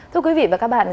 thưa quý vị và các bạn